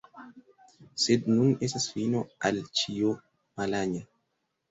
sed nun estas fino al ĉio, Malanja.